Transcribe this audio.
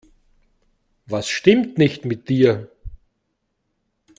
Was stimmt nicht mit dir?